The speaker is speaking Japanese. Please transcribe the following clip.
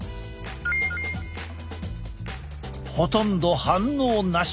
ほとんど反応なし。